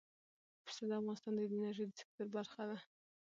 پسه د افغانستان د انرژۍ د سکتور برخه ده.